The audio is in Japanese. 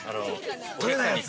取れないやつ？